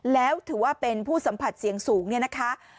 แล้วถือว่าเป็นผู้สัมผัสเสียงสูงเนี่ยนะคะ